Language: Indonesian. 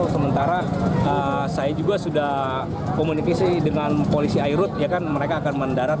sementara saya juga sudah komunikasi dengan polisi airut ya kan mereka akan mendarat